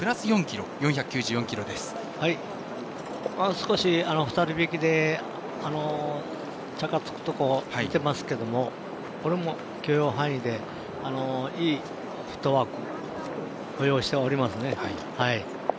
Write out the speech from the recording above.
少し２人引きでチャカつくところを見ていますけどもこれも許容範囲でいいフットワーク歩様をしておりますね。